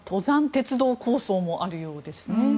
鉄道構想もあるようですね。